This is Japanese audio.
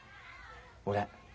俺。